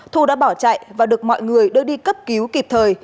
thu đã bỏ chạy và được mọi người đưa đi cấp cứu kịp thời